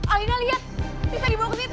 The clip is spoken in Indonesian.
alina liat risa dibawa ke situ